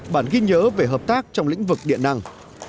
bản ghi nhớ về hợp tác trong lĩnh vực điện năng